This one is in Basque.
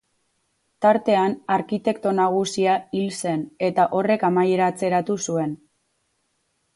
Tartean arkitekto nagusia hil zen eta horrek amaiera atzeratu zuen.